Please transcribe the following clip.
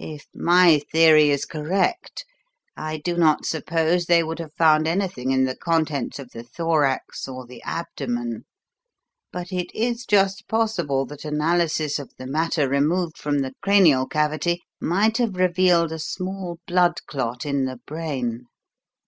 If my theory is correct, I do not suppose they would have found anything in the contents of the thorax or the abdomen, but it is just possible that analysis of the matter removed from the cranial cavity might have revealed a small blood clot in the brain."